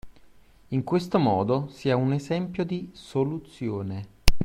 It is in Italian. In questo modo si ha un esempio di soluzione